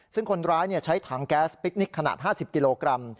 ซึ่งคนร้ายใช้ถังแก๊สพิคนิคขนาด๕๐กิโลกรัม